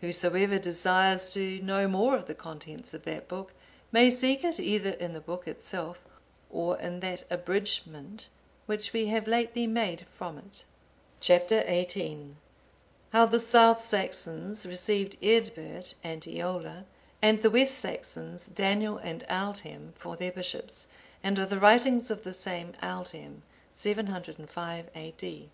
Whosoever desires to know more of the contents of that book, may seek it either in the book itself, or in that abridgement which we have lately made from it. Chap. XVIII. How the South Saxons received Eadbert and Eolla, and the West Saxons, Daniel and Aldhelm, for their bishops; and of the writings of the same Aldhelm. [705 A.D.